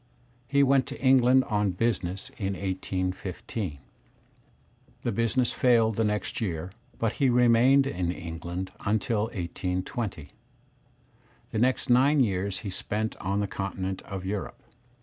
He went to England on business in 1815. The business failed the next year, but he remained in England until 1820. The next nine years he spent on the continent of Europe.